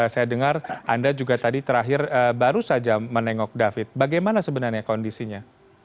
saya dengar anda juga tadi terakhir baru saja menengok david bagaimana sebenarnya kondisinya